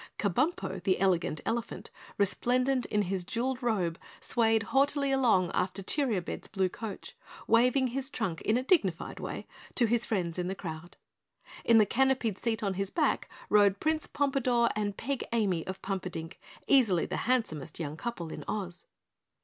Kabumpo, the Elegant Elephant, resplendent in his jeweled robe, swayed haughtily along after Cheeriobed's blue coach, waving his trunk in a dignified way to his friends in the crowd. In the canopied seat on his back rode Prince Pompadore and Peg Amy of Pumperdink, easily the handsomest young couple in Oz.